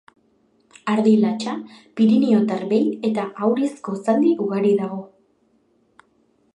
Ardi latxa, piriniotar behi eta Aurizko zaldi ugari dago.